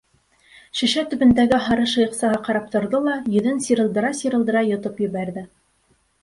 Шешә төбөндәге һары шыйыҡсаға ҡарап торҙо ла йөҙөн сирылдыра-сирылдыра йотоп ебәрҙе.